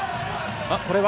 これは。